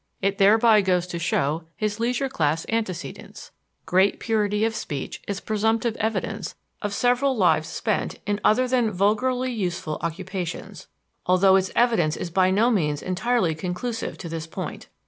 It thereby goes to show his leisure class antecedents. Great purity of speech is presumptive evidence of several lives spent in other than vulgarly useful occupations; although its evidence is by no means entirely conclusive to this point.